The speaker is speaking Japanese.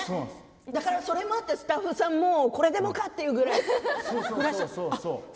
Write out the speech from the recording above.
だからそれもあってスタッフさんもこれでもかそう、そう。